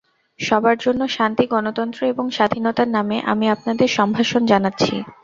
সবার জন্য শান্তি, গণতন্ত্র এবং স্বাধীনতার নামে আমি আপনাদের সম্ভাষণ জানাচ্ছি।